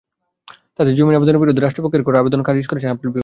তাঁদের জামিন আবেদনের বিরুদ্ধে রাষ্ট্রপক্ষের করা আবেদন খারিজ করেছেন আপিল বিভাগ।